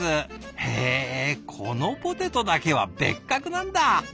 へえこのポテトだけは別格なんだ！